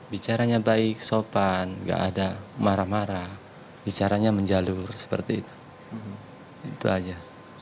bicaranya baik sopan gak ada marah marah bicaranya menjalur seperti itu itu aja